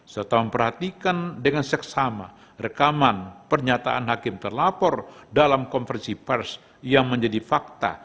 serta memperhatikan dengan seksama rekaman pernyataan hakim terlapor dalam konversi pers yang menjadi fakta